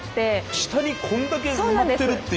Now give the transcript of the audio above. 下にこんだけ埋まってるっていう。